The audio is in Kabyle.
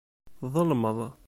Tḍelmeḍ.